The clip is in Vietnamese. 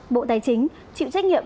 bộ tài chính chịu trách nhiệm